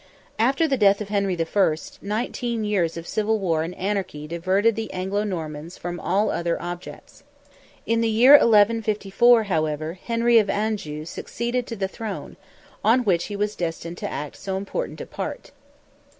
After the death of Henry I., nineteen years of civil war and anarchy diverted the Anglo Normans from all other objects. In the year 1154, however, Henry of Anjou succeeded to the throne, on which he was destined to act so important a part.